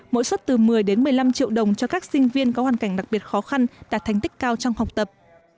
mỗi suất từ một mươi một mươi năm triệu đồng cho các sinh viên có hoàn cảnh đặc biệt khó khăn đạt thành tích cao trong học tập